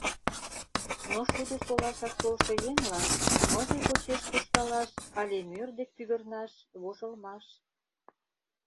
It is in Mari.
Но шудо солашак толшо еҥлан мызе почеш куржталаш але мӧр дек пӱгырнаш вожылмаш.